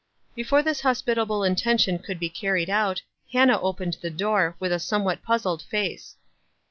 Before this hospitable intention could be car ried out, Hannah opened the door, with a some what puzzled face.